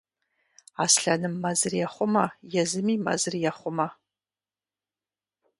Аслъэным мэзыр ехъумэ, езыми мэзыр ехъумэ.